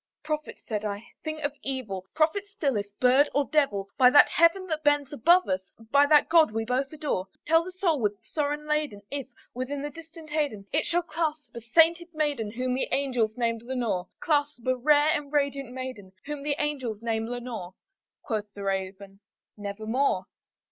"Prophet!" said I, "thing of evil! prophet still, if bird or devil! By that Heaven that bends above us by that God we both adore Tell this soul with sorrow laden if, within the distant Aidenn, It shall clasp a sainted maiden whom the angels name Lenore Clasp a rare and radiant maiden whom the angels name Lenore." Quoth the Raven, "Nevermore."